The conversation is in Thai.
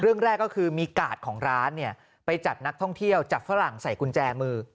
เรื่องแรกก็คือมีกาดของร้านเนี่ยไปจัดนักท่องเที่ยวจับฝรั่งใส่กุญแจมือ